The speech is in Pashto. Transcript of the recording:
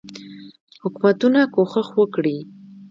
حکومتونه کوښښ وکړي.